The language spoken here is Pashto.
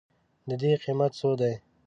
د دې قیمت څو دی؟